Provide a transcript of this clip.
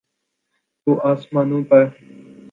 تو آسمانوں پہ۔